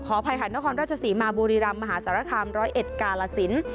อ้อขออภัยค่ะนครราชสีมาบูรีรามมหาสารคาม๑๐๑กาลสิน